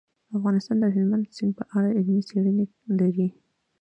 افغانستان د هلمند سیند په اړه علمي څېړنې لري.